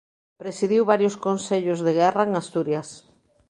Presidiu varios Consellos de Guerra en Asturias.